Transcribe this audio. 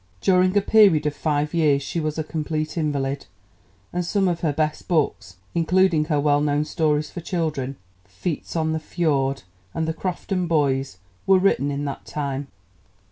During a period of five years she was a complete invalid, and some of her best books, including her well known stories for children, Feats on the Fiord and The Crofton Boys, were written in that time.